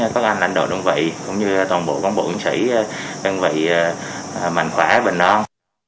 các anh anh đội đồng vị cũng như toàn bộ công bộ ứng sĩ đồng vị mạnh khỏe bệnh non